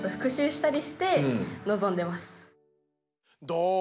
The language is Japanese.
どう？